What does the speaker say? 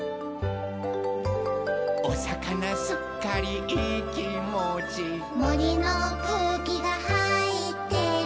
「おさかなすっかりいいきもち」「もりのくうきがはいってる」